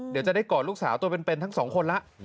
เดี๋ยวจะได้กอดลูกสาวตัวเป็นทั้งสองคนแล้ว